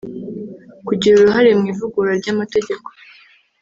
kugira uruhare mu ivugurura ry’amategeko